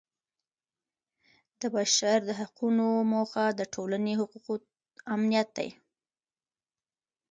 د بشر د حقونو موخه د ټولنې حقوقو امنیت دی.